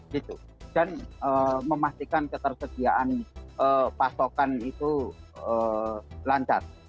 dan memastikan ketersediaan pasokan itu lancar